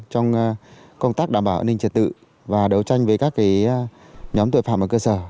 trong công tác đảm bảo an ninh trật tự và đấu tranh với các nhóm tội phạm ở cơ sở